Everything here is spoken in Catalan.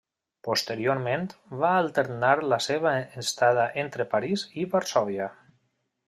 Posteriorment va alternar la seva estada entre París i Varsòvia.